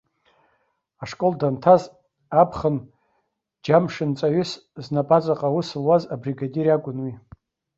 Ашкол данҭаз, аԥхын џьамшанҵаҩыс знапаҵаҟа аус луаз абригадир иакәын уи.